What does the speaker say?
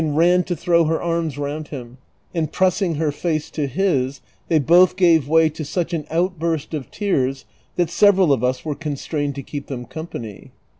353 ran to throw her arms round him, and pressing her face to his, they both gave way to sucli an outburst of tears that several of us were constrained to keep them company.